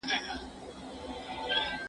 ګڼو خلګو اوږد ډنډ نه دی ړنګ کړی.